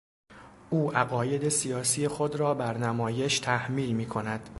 او عقاید سیاسی خود را بر نمایش تحمیل میکند.